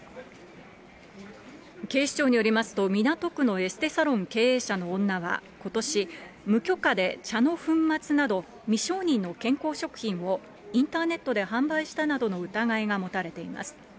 警視庁によりますと、港区のエステサロン経営者の女はことし、無許可で茶の粉末など、未承認の健康食品をインターネットで販売したなどの疑いが持たれています。